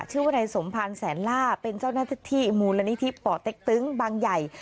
ชื่อว่านายสมพันธ์แสนล่าเป็นเจ้าหน้าที่มูลนิธิป่อเต็กตึงบางใหญ่